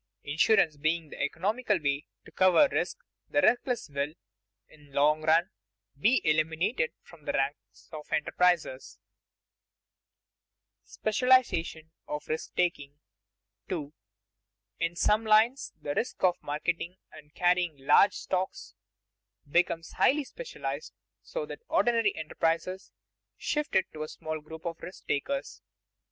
Insurance being the economical way to cover risk, the reckless will, in the long run, be eliminated from the ranks of enterprisers. [Sidenote: Specialization of risk taking] 2. _In some lines the risk of marketing and carrying large stocks becomes highly specialized, so that ordinary enterprisers shift it to a small group of risk takers.